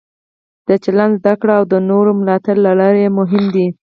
د چلند زده کړه او د نورو ملاتړ لرل یې مهم دي.